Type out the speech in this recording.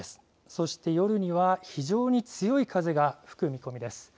そして、夜には非常に強い風が吹く見込みです。